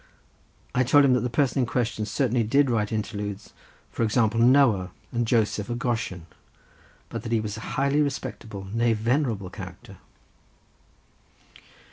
I told him that the person in question certainly did write Interludes, for example Noah, and Joseph at Goshen, but that he was a highly respectable, nay venerable character.